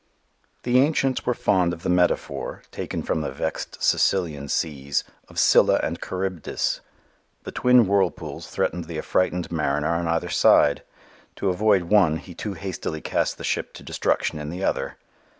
The Ancients were fond of the metaphor, taken from the vexed Sicilian Seas, of Scylla and Charybdis. The twin whirlpools threatened the affrightened mariner on either side. To avoid one he too hastily cast the ship to destruction in the other.